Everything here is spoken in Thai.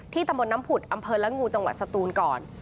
ตำบลน้ำผุดอำเภอละงูจังหวัดสตูนก่อน